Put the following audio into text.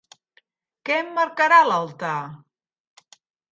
Què emmarcarà l'altar?